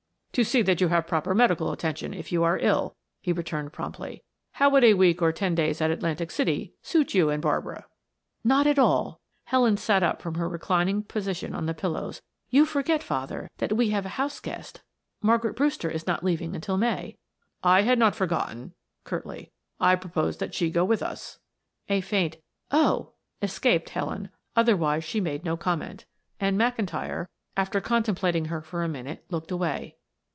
"To see that you have proper medical attention if you are ill," he returned promptly. "How would a week or ten days at Atlantic City suit you and Barbara?" "Not at all." Helen sat up from her reclining position on the pillows. "You forget, father, that we have a house guest; Margaret Brewster is not leaving until May." "I had not forgotten," curtly. "I propose that she go with us." A faint "Oh!" escaped Helen, otherwise she made no comment, and McIntyre, after contemplating her for a minute, looked away.